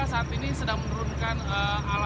saat ini sedang menurunkan alat